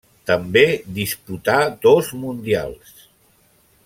També disputà dos Mundials.